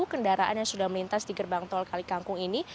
kendaraan yang sudah melintas di gerbang tol kalikangkung ini